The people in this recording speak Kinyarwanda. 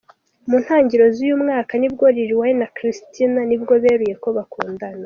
Mu ntangiriro z’uyu mwaka, nibwo Lil Wayne na Christina nibwo beruye ko bakundana.